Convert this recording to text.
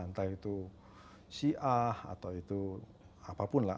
entah itu syiah atau itu apapun lah